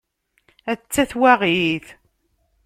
Atta twaɣit!